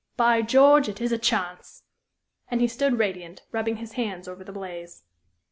By George! it is a chance!" And he stood radiant, rubbing his hands over the blaze.